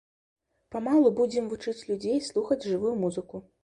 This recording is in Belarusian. Памалу будзем вучыць людзей слухаць жывую музыку.